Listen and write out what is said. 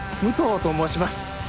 武藤と申します